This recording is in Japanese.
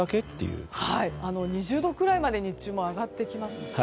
２０度くらいまで、日中は上がってきますし。